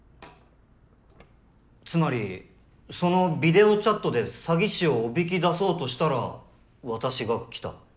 つまりそのビデオチャットで詐欺師をおびき出そうとしたら私が来た。